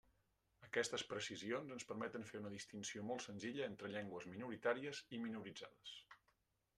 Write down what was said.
Aquestes precisions ens permeten fer una distinció molt senzilla entre llengües minoritàries i minoritzades.